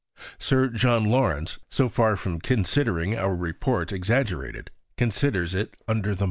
Sir John Lawrence, so far from considering our Report exaggerated, considers it under the mark.